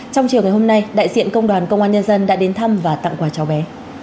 trong chiều ngày hôm nay đại diện công đoàn công an nhân dân đã đến thăm và tặng quà cháu bé